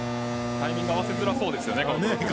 タイミング合わせづらそうですよね。